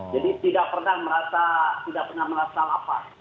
jadi tidak pernah merasa lapar